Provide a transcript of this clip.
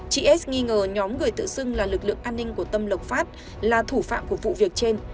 chị s nghi ngờ nhóm người tự xưng là lực lượng an ninh của tâm lộc phát là thủ phạm của vụ việc trên